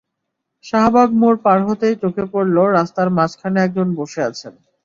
শাহবাগ মোড় পার হতেই চোখে পড়ল রাস্তার মাঝখানে একজন বসে আছেন।